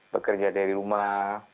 bekerja dari rumah